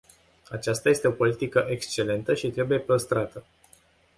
Aceasta este o politică excelentă și trebuie păstrată.